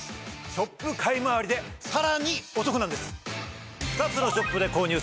ショップ買いまわりでさらにお得なんです！